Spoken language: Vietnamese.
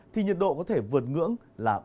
thì nhiệt độ có thể vượt ngưỡng là ba mươi năm độ